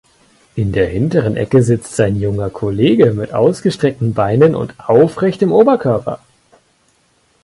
In der hinteren Ecke sitzt sein junger Kollege mit ausgestreckten Beinen und aufrechtem Oberkörper.